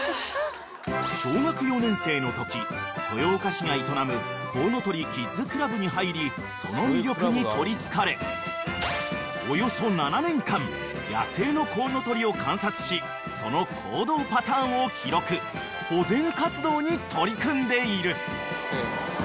［小学４年生のとき豊岡市が営むコウノトリＫＩＤＳクラブに入りその魅力に取りつかれおよそ７年間野生のコウノトリを観察しその行動パターンを記録］［保全活動に取り組んでいる］